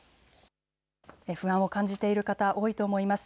不安を感じている方、多いと思います。